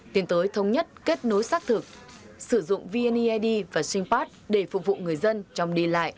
tiến tới thống nhất kết nối xác thực sử dụng vneid và stynpat để phục vụ người dân trong đi lại